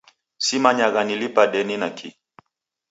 Simanyagha nilipa deni na kihi